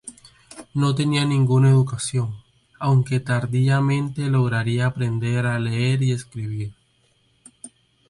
No tenía ninguna educación, aunque tardíamente lograría aprender a leer y escribir.